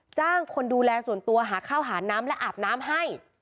จ้างคนดูแลส่วนตัวหาข้าวหาน้ำและอาบน้ำให้